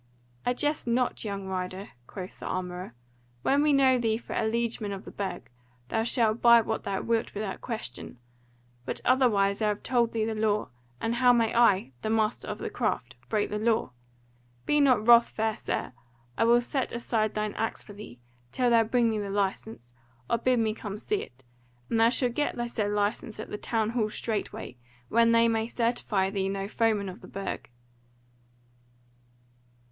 "I jest not, young rider," quoth the armourer. "When we know thee for a liegeman of the Burg, thou shalt buy what thou wilt without question; but otherwise I have told thee the law, and how may I, the master of the craft, break the law? Be not wrath, fair sir, I will set aside thine axe for thee, till thou bring me the license, or bid me come see it, and thou shalt get the said license at the Town Hall straight way, when they may certify thee no foeman of the Burg."